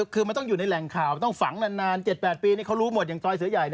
คือมันต้องอยู่ในแหล่งข่าวต้องฝังนาน๗๘ปีเขารู้หมดอย่างซอยเสือใหญ่